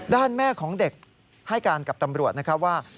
แม่ของเด็กให้การกับตำรวจนะครับว่า